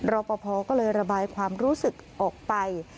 รอปภก็เลยระบายความรู้สึกออกไป